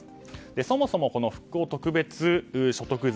そもそも復興特別所得税。